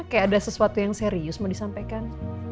kayak ada sesuatu yang serius mau disampaikan